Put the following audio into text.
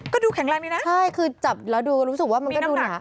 ก็ดูแข็งแรงดีนะใช่คือจับแล้วดูรู้สึกว่ามันก็ดูหนา